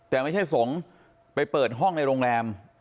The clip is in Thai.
แต่ไม่ใช่สงฆ์ไปเปิดห้องในโรงแรม